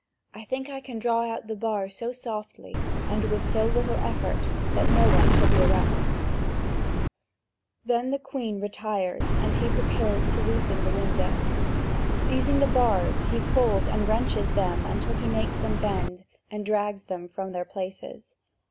I think I can draw out the bars so softly and with so little effort that no one shall be aroused." (Vv. 4651 4754.) Then the Queen retires, and he prepares to loosen the window. Seizing the bars, he pulls and wrenches them until he makes them bend and drags them from their places.